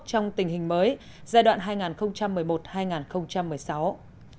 đảng đối với phong trào toàn dân bảo vệ an ninh tổ quốc trong tình hình mới giai đoạn hai nghìn một mươi một hai nghìn một mươi sáu